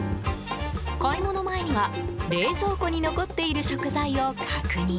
買い物前には冷蔵庫に残っている食材を確認。